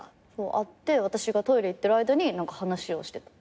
会って私がトイレ行ってる間に何か話をしてた。